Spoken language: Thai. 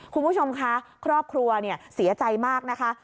คุณผู้ชมคะครอบครัวเสียใจมากนะคะ